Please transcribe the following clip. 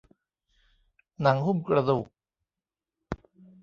หนังหุ้มกระดูก